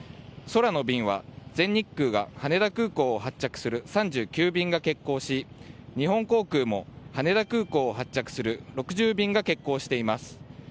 空の便は、全日空が羽田空港を発着する３９便が欠航し、日本航空も羽田空港を発着する６０便が欠航しています。